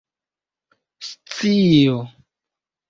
scio